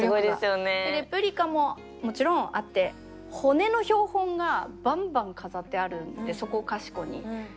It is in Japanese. でレプリカももちろんあって骨の標本がバンバン飾ってあるんでそこかしこに。